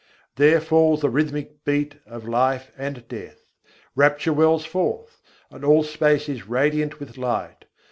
There falls the rhythmic beat of life and death: Rapture wells forth, and all space is radiant with light.